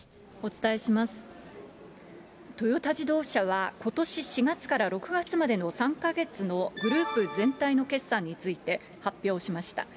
トヨタ自動車は、ことし４月から６月までの３か月のグループ全体の決算について発表しました。